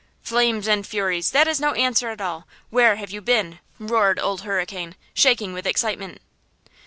"Flames and furies! that is no answer at all! Where have you been?" roared Old Hurricane, shaking with excitement.